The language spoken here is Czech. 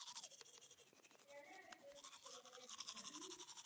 To je pak jejím hlavním tématem kritika špatné ekologické situace severních Čech.